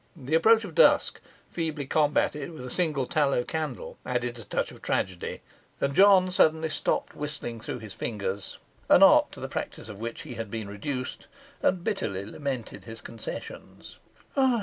The approach of dusk, feebly combated with a single tallow candle, added a touch of tragedy; and John suddenly stopped whistling through his fingers an art to the practice of which he had been reduced and bitterly lamented his concessions.